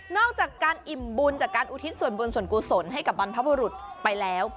อกจากการอิ่มบุญจากการอุทิศส่วนบุญส่วนกุศลให้กับบรรพบุรุษไปแล้ว